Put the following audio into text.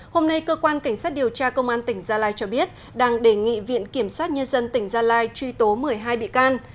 hôm nay cơ quan cảnh sát điều tra công an tỉnh gia lai cho biết đang đề nghị viện kiểm sát nhân dân tỉnh gia lai truy tố một mươi hai bị can